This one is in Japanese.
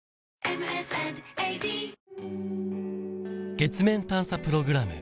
月面探査プログラム